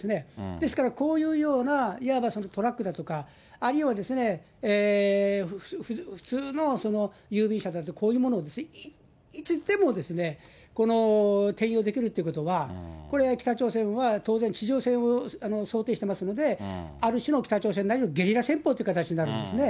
ですからこういうようないわば、トラックだとか、あるいは普通の郵便車だと、こういうものをいつでも転用できるということは、これ、北朝鮮は当然地上戦を想定してますので、ある種の北朝鮮なりのゲリラ戦法という形になるんですね。